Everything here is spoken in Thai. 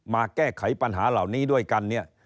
มาแก้ไขปัญหาเหล่านี้ด้วยกันเนี่ย